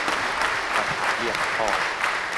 แฟนคลับเรียก : พ่อ